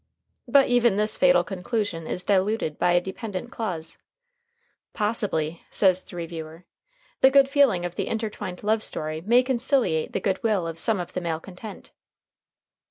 But even this fatal conclusion is diluted by a dependent clause. "Possibly," says the reviewer, "the good feeling of the intertwined love story may conciliate the good will of some of the malcontent."